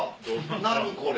何これ！